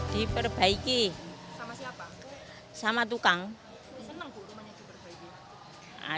saya juga sama perempuan tukang brains